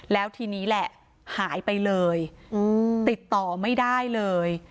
แล้วทีนี้แหละหายไปเลยติดต่อไม่ได้เลย